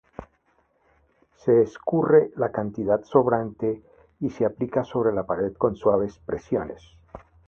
Se escurre la cantidad sobrante y se aplica sobre la pared con suaves presiones.